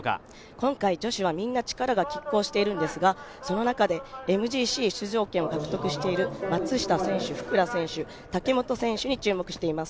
今回女子は、みんな力がきっ抗しているんですがその中でＭＧＣ出場権を獲得している松下選手、福良選手、竹本選手に注目しています。